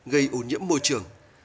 gây ô nhiễm môi trường